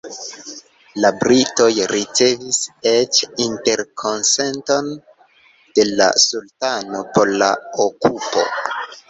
La britoj ricevis eĉ "interkonsenton” de la sultano por la okupo.